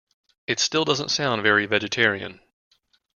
It still doesn’t sound very vegetarian.